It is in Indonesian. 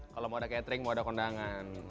kalau mau ada catering mau ada kondangan